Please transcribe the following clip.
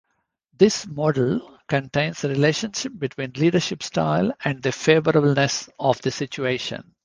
This model contains the relationship between leadership style and the favorable-ness of the situation.